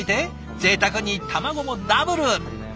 ぜいたくに卵もダブル！